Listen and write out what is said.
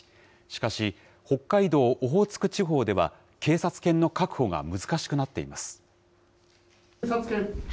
しかし、北海道オホーツク地方では、警察犬の確保が難しくなっています。